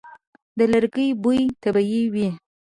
د لرګي بوی طبیعي وي.